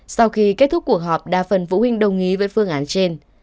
sau khi kết thúc cuộc họp đa phần phụ huynh đồng ý với phương án trên